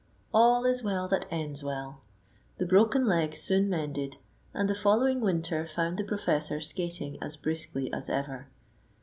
"All is well that ends well." The broken leg soon mended, and the following winter found the professor skating as briskly as ever.